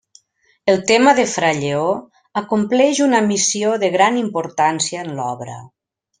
El tema de fra Lleó acompleix una missió de gran importància en l'obra.